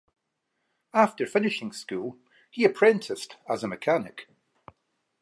After finishing school he apprenticed as a mechanic.